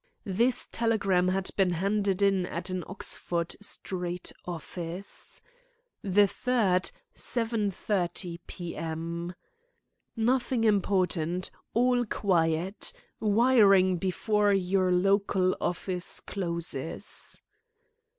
This telegram had been handed in at an Oxford Street office. The third, 7.30., p.m.: "Nothing important. All quiet. Wiring before your local office closes."